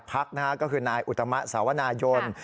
พักนะฮะก็คือนายอุตมะสาวนายน